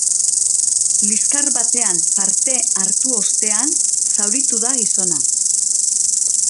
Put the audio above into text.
Liskar batean parte hartu ostean zauritu da gizona.